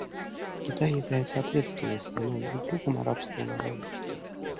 Китай является ответственной страной и другом арабского народа.